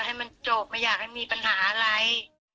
แล้วแม่ก็ไม่ได้ติดใจอะไร